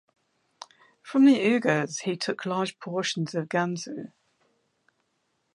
From the Uyghurs he took large portions of Gansu.